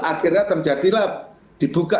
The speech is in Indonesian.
akhirnya terjadilah dibuka